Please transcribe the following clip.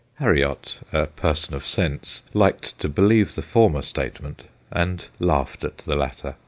Harriot, a person of sense, liked to believe the former statement, and laughed at the latter.